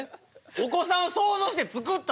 お子さんを想像して作った？